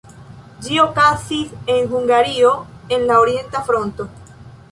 Ĝi okazis en Hungario en la Orienta Fronto.